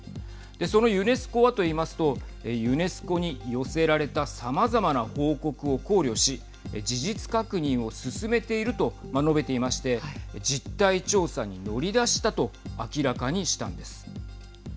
そのユネスコはといいますとユネスコに寄せられたさまざまな報告を考慮し事実確認を進めていると述べていまして実態調査に乗り出したと明らかにしたんです。